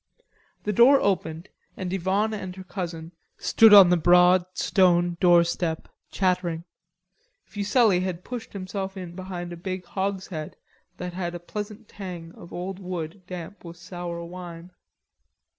The door opened and Yvonne and her cousin stood on the broad stone doorstep chattering. Fuselli had pushed himself in behind a big hogshead that had a pleasant tang of old wood damp with sour wine.